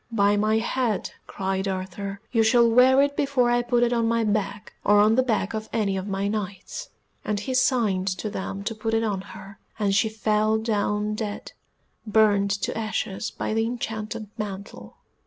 "By my head," cried Arthur, "you shall wear it before I put it on my back, or on the back of any of my Knights," and he signed to them to put it on her, and she fell down dead, burnt to ashes by the enchanted mantle.